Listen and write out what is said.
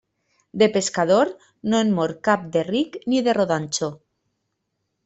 De pescador, no en mor cap de ric ni de rodanxó.